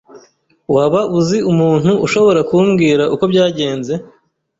Waba uzi umuntu ushobora kumbwira uko byagenze?